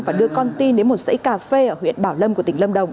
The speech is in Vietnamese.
và đưa con tin đến một dãy cà phê ở huyện bảo lâm của tỉnh lâm đồng